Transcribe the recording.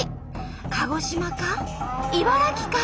鹿児島か？